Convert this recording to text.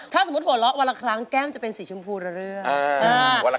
ถ้าสมมุติหัวเราะวันละครั้งแก้มจะเป็นสีชมพูระเรื่อง